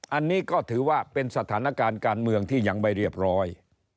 อันนี้ก็ถือว่าเป็นสถานการณ์การเมืองที่ยังไม่เรียบร้อย